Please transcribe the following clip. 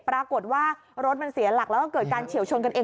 ปรากฏว่ารถมันเสียหลักแล้วก็เกิดการเฉียวชนกันเอง